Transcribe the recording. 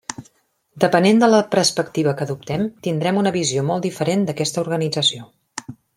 Depenent de la perspectiva que adoptem, tindrem una visió molt diferent d'aquesta organització.